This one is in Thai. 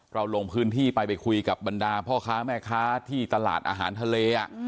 ลงพื้นที่ไปไปคุยกับบรรดาพ่อค้าแม่ค้าที่ตลาดอาหารทะเล